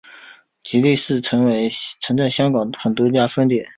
吉利市曾在香港有多家分店。